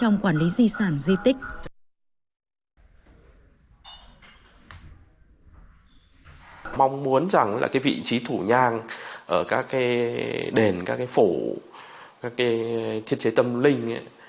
mong muốn rằng vị trí thủ nhang ở các đền các phổ các thiết chế tâm linh